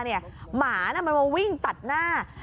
หมามันมาวิ่งตัดหน้า